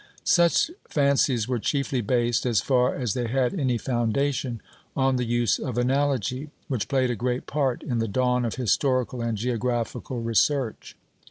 Such fancies were chiefly based, as far as they had any foundation, on the use of analogy, which played a great part in the dawn of historical and geographical research.